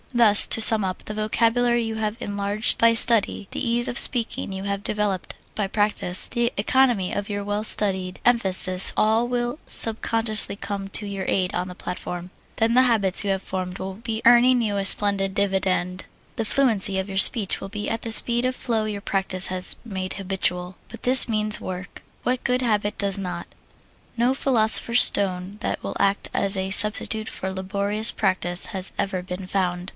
Thus, to sum up, the vocabulary you have enlarged by study, the ease in speaking you have developed by practise, the economy of your well studied emphasis all will subconsciously come to your aid on the platform. Then the habits you have formed will be earning you a splendid dividend. The fluency of your speech will be at the speed of flow your practise has made habitual. But this means work. What good habit does not? No philosopher's stone that will act as a substitute for laborious practise has ever been found.